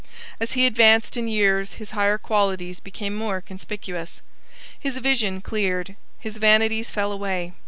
As he advanced in years his higher qualities became more conspicuous. His vision cleared. His vanities fell away.